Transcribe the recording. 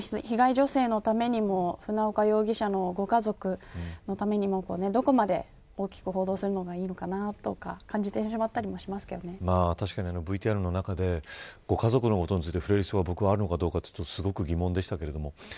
被害女性のためにも船岡容疑者のご家族のためにもどこまで大きく報道するのがいいのかなとか感じてＶＴＲの中でご家族のことについて触れる必要があるのかすごく疑問でしたけど。